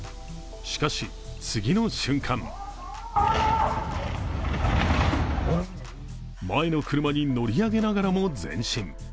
しかし、次の瞬間前の車に乗り上げながらも前進。